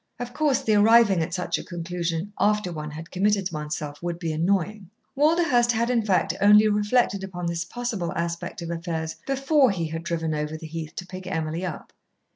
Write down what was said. Of course the arriving at such a conclusion, after one had committed oneself, would be annoying. Walderhurst had, in fact, only reflected upon this possible aspect of affairs before he had driven over the heath to pick Emily up.